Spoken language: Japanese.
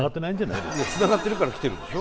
いやつながってるから来てるんでしょ？